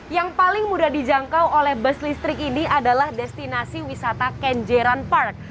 yang paling mudah dijangkau oleh bus listrik ini adalah destinasi wisata kenjeran park